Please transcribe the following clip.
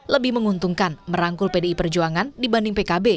lebih menguntungkan merangkul pdi perjuangan dibanding pkb